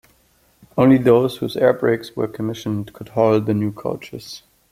Only those whose air brakes were commissioned could haul the new coaches.